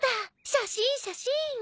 写真写真！